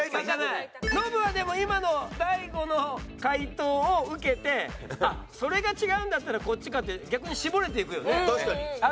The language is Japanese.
ノブはでも今の大悟の解答を受けてそれが違うんだったらこっちかって逆に絞れていくよね。